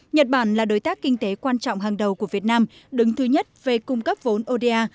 nhật bản là đối tác kinh tế quan trọng hàng đầu của việt nam đứng thứ nhất về cung cấp vốn oda